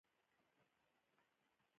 استاد د خپلو شاګردانو ستونزې اوري.